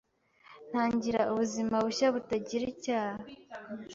ntangira ubuzima bushya butagir icyaha